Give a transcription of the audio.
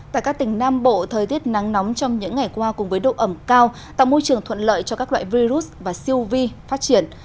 tại các tỉnh nam bộ thời tiết nắng nóng trong những ngày qua cùng với độ ẩm cao tạo môi trường thuận lợi cho các loại virus và siêu vi phát triển